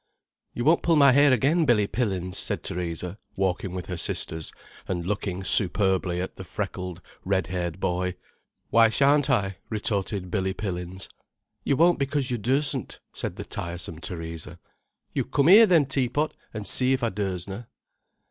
"You won't pull my hair again, Billy Pillins," said Theresa, walking with her sisters, and looking superbly at the freckled, red haired boy. "Why shan't I?" retorted Billy Pillins. "You won't because you dursn't," said the tiresome Theresa. "You come here, then, Tea pot, an' see if I dursna."